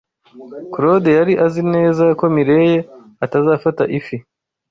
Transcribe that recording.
Claude yari azi neza ko Mirelle atazafata ifi.